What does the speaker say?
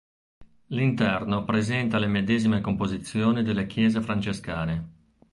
L'interno presenta le medesime composizioni delle chiese francescane.